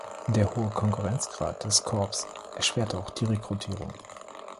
Der hohe Konkurrenzgrad des Korps erschwerte auch die Rekrutierung.